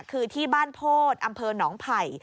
คือที่บ้านโพธิอำเภอหนองไผ่